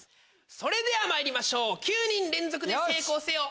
それではまいりましょう９人連続で成功せよ！